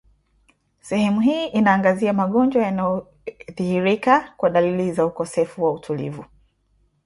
Sehemu hii inaangazia magonjwa yanayodhihirika kwa dalili za ukosefu wa utulivu